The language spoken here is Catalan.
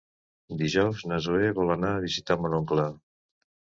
Dijous na Zoè vol anar a visitar mon oncle.